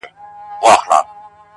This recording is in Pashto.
چي د ښـكلا خبري پټي ساتي.